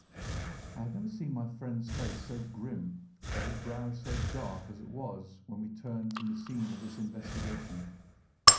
I had never seen my friend's face so grim or his brow so dark as it was when we turned from the scene of this investigation.